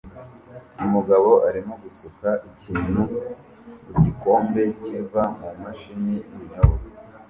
Umugabo arimo gusuka ikintu mu gikombe kiva mumashini y'ibinyobwa